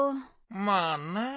まあなあ。